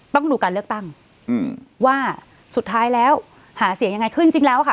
ต้องดูการเลือกตั้งอืมว่าสุดท้ายแล้วหาเสียงยังไงขึ้นจริงแล้วค่ะ